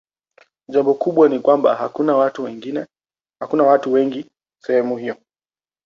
Jambo kubwa ni kwamba hakuna watu wengi sehemu hiyo.